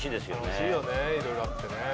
楽しいよねいろいろあってね。